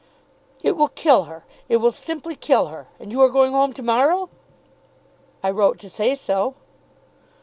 "It will kill her. It will simply kill her. And you are going home to morrow?" "I wrote to say so."